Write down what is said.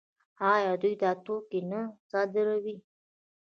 آیا دوی دا توکي نه صادروي؟